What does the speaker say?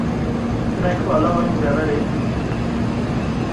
Hinek alawên deverê